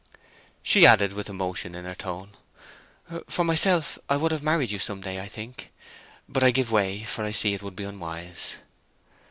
She added, with emotion in her tone, "For myself, I would have married you—some day—I think. But I give way, for I see it would be unwise."